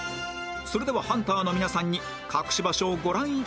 それではハンターの皆さんに隠し場所をご覧頂きましょう